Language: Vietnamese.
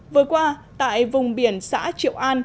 vừa qua tại vùng biển xã triệu an